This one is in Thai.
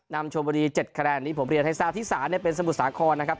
นำโชว์บุรีเจ็ดคะแนนนี้ผมเรียนให้สาธิษฐานเนี่ยเป็นสมุทรสาคมนะครับ